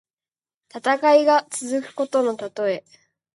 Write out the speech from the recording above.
戦いが続くことのたとえ。